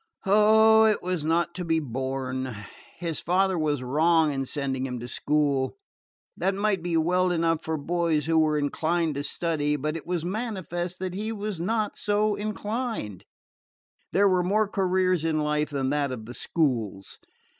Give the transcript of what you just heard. Oh, it was not to be borne! His father was wrong in sending him to school. That might be well enough for boys who were inclined to study, but it was manifest that he was not so inclined. There were more careers in life than that of the schools.